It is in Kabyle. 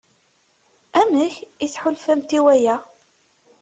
Amek i tḥulfamt i waya?